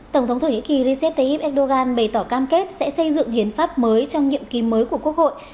tổng thống thổ nhĩ kỳ recep tayyip erdogan bày tỏ cam kết sẽ xây dựng hiến pháp mới trong nhiệm ký mới của quốc hội